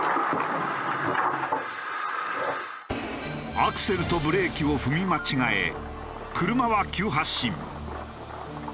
アクセルとブレーキを踏み間違え車は急発進。